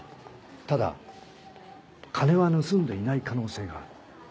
ただ金は盗んでいない可能性がある。